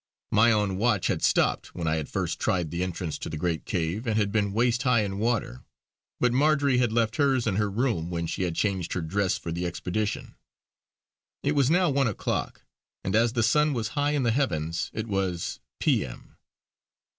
My own watch had stopped when I had first tried the entrance to the great cave and had been waist high in water, but Marjory had left hers in her room when she had changed her dress for the expedition. It was now one o'clock and as the sun was high in the heavens it was P. M.